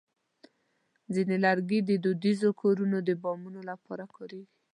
ځینې لرګي د دودیزو کورونو د بامونو لپاره کارېږي.